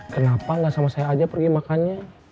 kenapa gak sama saya aja pergi makannya